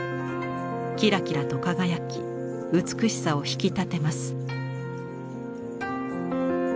キラキラと輝き美しさを引き立てます。